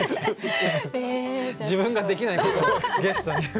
自分ができないことをゲストに振る。